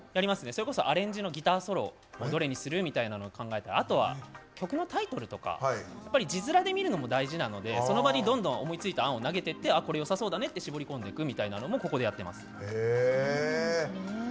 それこそアレンジのギターをソロどれにするとかを考えて、あとは曲のタイトルとか字面で見るのも大事なのでその場でどんどん思いついた案を投げてって、これよさそうだねって絞り込んでいくというのもここでやってます。